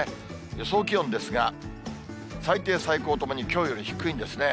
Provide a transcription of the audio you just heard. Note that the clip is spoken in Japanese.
予想気温ですが、最低、最高ともに、きょうより低いんですね。